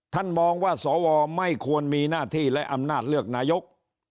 มองว่าสวไม่ควรมีหน้าที่และอำนาจเลือกนายก